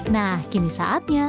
nah kini saatnya